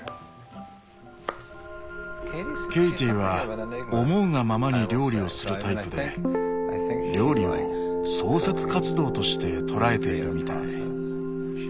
ケイティは思うがままに料理をするタイプで料理を創作活動として捉えているみたい。